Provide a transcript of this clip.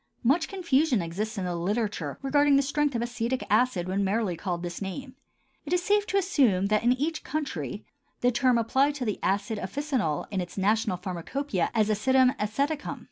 Much confusion exists in the literature regarding the strength of acetic acid when merely called by this name. It is safe to assume that, in each country, the term applies to the acid officinal in its national pharmacopœia as "Acidum Aceticum."